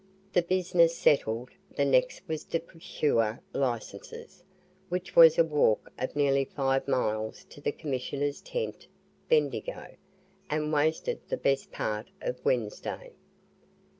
This business settled, the next was to procure licences, which was a walk of nearly five miles to the Commissioners' tent, Bendigo, and wasted the best part of Wednesday.